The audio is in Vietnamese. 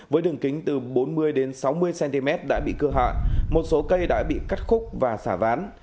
với đường kính từ bốn mươi đến sáu mươi cm đã bị cưa hạ một số cây đã bị cắt khúc và xả ván